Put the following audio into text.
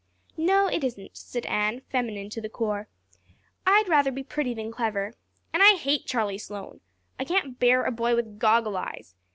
"No, it isn't," said Anne, feminine to the core. "I'd rather be pretty than clever. And I hate Charlie Sloane, I can't bear a boy with goggle eyes.